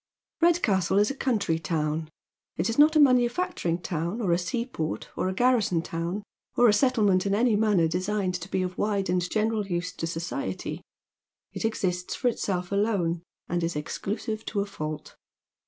Redoastle is a country town. It is not a manufacturing town, ol a seaport, or a garrison town, or a settlement in any manner des.gned to be of wide and general use to society. It exists for itself alone, and is exclusive to a fault.